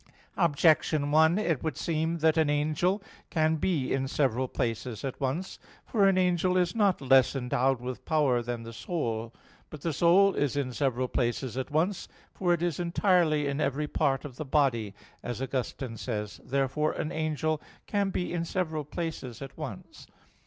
Objection 1: It would seem that an angel can be in several places at once. For an angel is not less endowed with power than the soul. But the soul is in several places at once, for it is entirely in every part of the body, as Augustine says (De Trin. vi). Therefore an angel can be in several places at once.